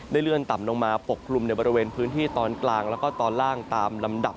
เลื่อนต่ำลงมาปกคลุมในบริเวณพื้นที่ตอนกลางแล้วก็ตอนล่างตามลำดับ